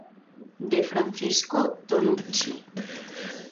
De Francesco Tonucci.